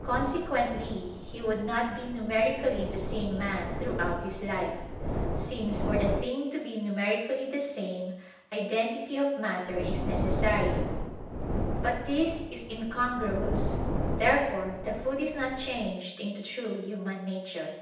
Consequently he would not be numerically the same man throughout his life; since for the thing to be numerically the same, identity of matter is necessary. But this is incongruous. Therefore the food is not changed into true human nature.